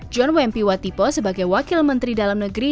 john wempi watipo sebagai wakil menteri dalam negeri